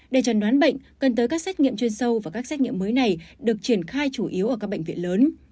để trần đoán bệnh cần tới các xét nghiệm chuyên sâu và các xét nghiệm mới này được triển khai chủ yếu ở các bệnh viện lớn